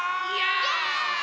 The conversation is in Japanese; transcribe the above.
イェーイ！